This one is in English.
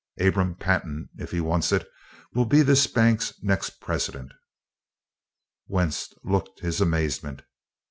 Abram Pantin, if he wants it, will be this bank's next president." Wentz looked his amazement.